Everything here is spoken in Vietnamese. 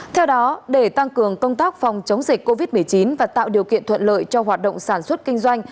theo đó để tăng cường công tác phòng chống dịch covid một mươi chín và tạo điều kiện thuận lợi cho hoạt động sản xuất kinh doanh